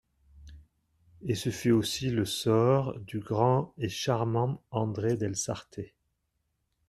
Et ce fut aussi le sort du grand et charmant André del Sarte.